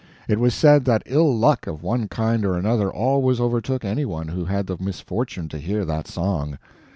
It was said that ill luck of one kind or another always overtook any one who had the misfortune to hear that song.